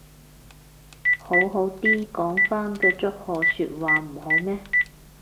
好好哋講返句祝賀說話唔好咩